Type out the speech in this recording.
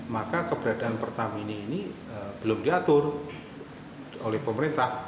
maka keberadaan pertamina ini belum diatur oleh pemerintah